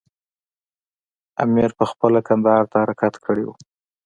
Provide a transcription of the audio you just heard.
امیر پخپله کندهار ته حرکت کړی وو.